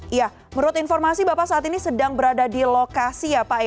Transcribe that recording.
iya menurut informasi bapak saat ini sedang berada di lokasi ya pak